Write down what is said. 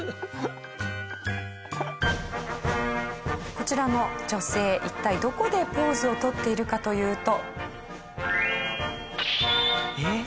こちらの女性一体どこでポーズをとっているかというと。